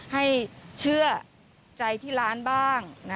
ให้เชื่อใจที่ร้านบ้าง